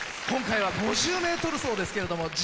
今回は５０ｍ走ですけども。